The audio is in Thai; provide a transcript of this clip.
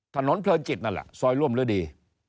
ถนนเพลินจิตนั่นแหละซอยร่วมฤดี